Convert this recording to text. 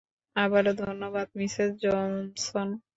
আবারো ধন্যবাদ, Mrs Johnson.